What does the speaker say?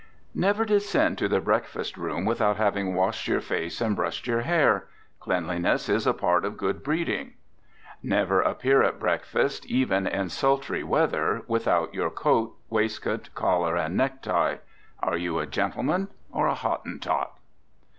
Never descend to the breakfast room without having washed your face and brushed your hair. Cleanliness is a part of good breeding. Never appear at breakfast, even in sultry weather, without your coat, waistcoat, collar and necktie. Are you a gentleman or a Hottentot?